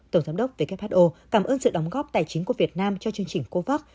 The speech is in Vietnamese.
tổng giám đốc who cảm ơn sự đóng góp tài chính của việt nam cho chương trình cov